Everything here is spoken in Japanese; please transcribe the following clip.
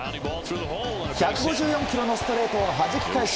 １５４キロのストレートをはじき返し